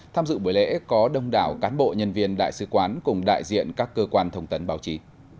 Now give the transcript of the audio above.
tham dự buổi lễ có đông đảo cán bộ nhân viên đại sứ quán cùng đại diện các cơ quan thông tấn báo chí